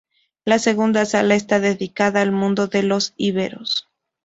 La segunda sala está dedicada al mundo de los íberos.